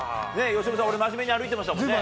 由伸さん、俺、真面目に歩いてましたもんね。